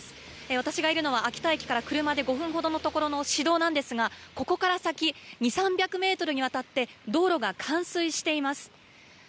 私がいるのは秋田駅から車で５分ほどのところの市道なんですがここから先、２００、３００メートルにわたって道路が冠水しています。